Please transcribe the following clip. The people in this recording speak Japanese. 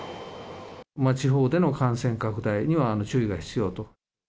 地方での感染拡大には注意が必要と。